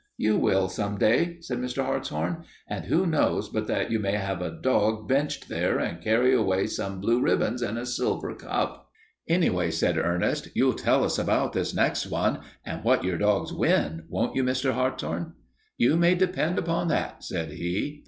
"You will, some day," said Mr. Hartshorn. "And who knows but that you may have a dog benched there and carry away some blue ribbons and a silver cup." "Anyway," said Ernest, "you'll tell us all about this next one, and what your dogs win, won't you, Mr. Hartshorn?" "You may depend upon that," said he.